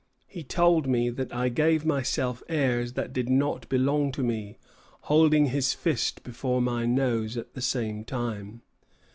He told me that I gave myself airs that did not belong to me, holding his fist before my nose at the same time.